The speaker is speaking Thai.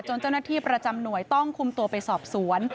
เจ้าหน้าที่ประจำหน่วยต้องคุมตัวไปสอบสวน